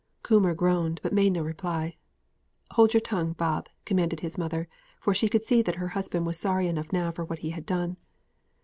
Coomber groaned, but made no reply. "Hold your tongue, Bob," commanded his mother; for she could see that her husband was sorry enough now for what he had done.